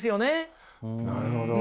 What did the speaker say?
なるほど。